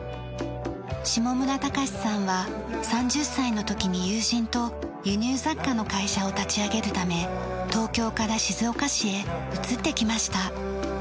下村尚さんは３０歳の時に友人と輸入雑貨の会社を立ち上げるため東京から静岡市へ移ってきました。